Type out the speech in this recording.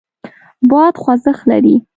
باد خوځښت لري.